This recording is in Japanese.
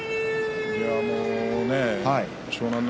湘南乃